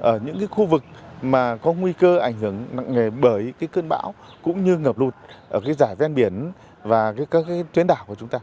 ở những khu vực có nguy cơ ảnh hưởng nặng nề bởi cơn bão cũng như ngập lụt ở giải ven biển và các tuyến đảo của chúng ta